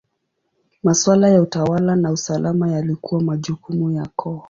Maswala ya utawala na usalama yalikuwa majukumu ya koo.